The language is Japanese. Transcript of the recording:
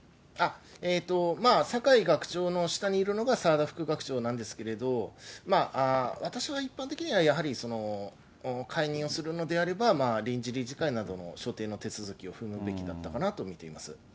酒井学長の下にいるのが澤田副学長なんですけれど、私は一般的にはやはり解任をするのであれば、臨時理事会などの所定の手続きを踏むべきだったかなと見ています。